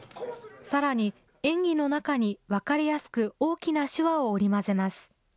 さらに演技の中に分かりやすく大きな手話を織り交ぜます。